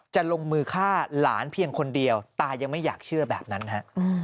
ลงมือฆ่าหลานเพียงคนเดียวตายังไม่อยากเชื่อแบบนั้นฮะ